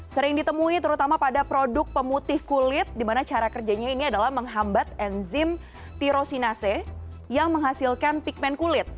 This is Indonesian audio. sering ditemui terutama pada produk pemutih kulit dimana cara kerjanya ini adalah menghambat enzim tirosinase yang menghasilkan pigment kulit